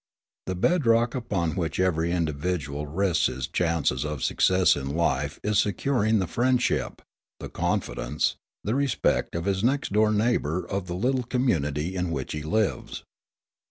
The bed rock upon which every individual rests his chances of success in life is securing the friendship, the confidence, the respect, of his next door neighbour of the little community in which he lives.